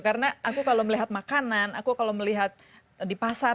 dan aku kalau melihat makanan aku kalau melihat di pasar